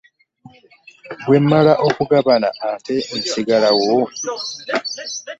Bwe mmala okugabana ate nsigala awo?